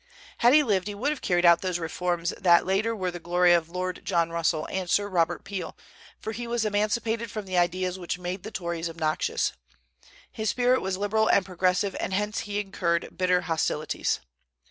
Had he lived he would have carried out those reforms that later were the glory of Lord John Russell and Sir Robert Peel, for he was emancipated from the ideas which made the Tories obnoxious. His spirit was liberal and progressive, and hence he incurred bitter hostilities.